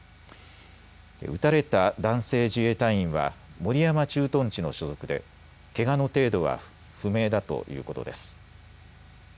撃たれた男性自衛隊員は守山駐屯地の所属でけがの程度は不明だということです。